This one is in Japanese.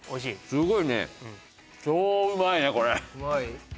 すごいね超うまいねこれ・うまい？